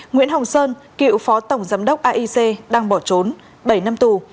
nguyễn hồng sơn cựu phó tổng giám đốc aic đang bỏ trốn bảy năm tù